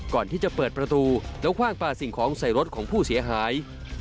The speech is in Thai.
ก่อนที่จะเปิดประตูแล้วคว่างปลาสิ่งของใส่รถของผู้เสียหาย